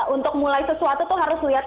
untuk mulai sesuatu tuh harus lihat